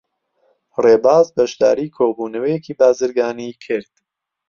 ڕێباز بەشداریی کۆبوونەوەیەکی بازرگانیی کرد.